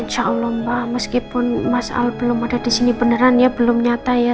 insya allah mbak meskipun mas al belum ada di sini beneran ya belum nyata ya